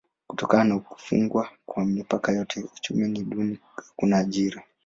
Kutokana na kufungwa kwa mipaka yote uchumi ni duni: hakuna ajira.